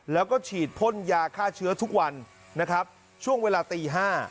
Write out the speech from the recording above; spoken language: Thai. แล้วก็ฉีดพ่นยาฆ่าเชื้อทุกวันนะครับช่วงเวลาตี๕